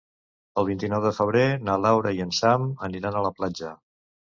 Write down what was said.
El vint-i-nou de febrer na Laura i en Sam aniran a la platja.